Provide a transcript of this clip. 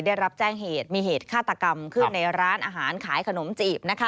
ได้รับแจ้งเหตุมีเหตุฆาตกรรมขึ้นในร้านอาหารขายขนมจีบนะคะ